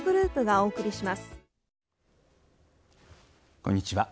こんにちは。